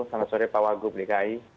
selamat sore pak wagub dki